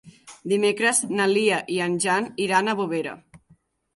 Dimecres na Lia i en Jan iran a Bovera.